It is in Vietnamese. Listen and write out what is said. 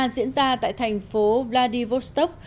diễn ra tại thành phố vladivostok